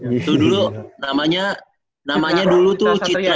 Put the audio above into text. itu dulu namanya namanya dulu tuh citra